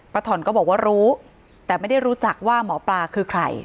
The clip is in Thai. ถ่อนก็บอกว่ารู้แต่ไม่ได้รู้จักว่าหมอปลาคือใคร